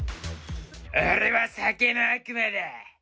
俺は酒の悪魔だ。